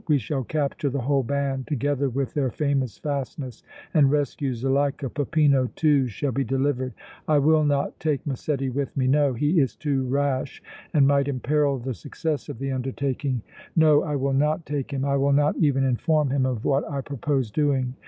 We shall capture the whole band, together with their famous fastness, and rescue Zuleika. Peppino, too, shall be delivered. I will not take Massetti with me no, he is too rash and might imperil the success of the undertaking no, I will not take him, I will not even inform him of what I propose doing.